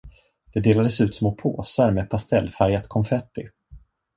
Det delades ut små påsar med pastellfärgat konfetti.